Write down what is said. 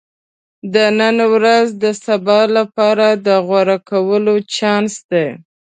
• د نن ورځ د سبا لپاره د غوره کولو چانس دی.